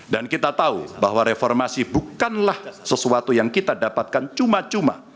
dan kita tahu bahwa reformasi bukanlah sesuatu yang kita dapatkan cuma cuma